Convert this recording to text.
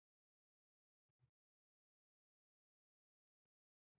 ویده شپه خاموشه وي